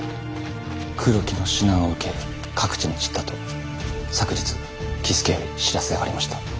黒木の指南を受け各地に散ったと昨日僖助より知らせがありました。